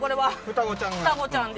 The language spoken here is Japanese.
双子ちゃん。